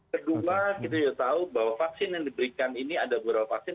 kedua kita juga tahu bahwa vaksin yang diberikan ini ada beberapa vaksin